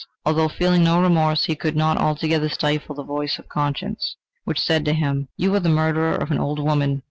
Although feeling no remorse, he could not altogether stifle the voice of conscience, which said to him: "You are the murderer of the old woman!"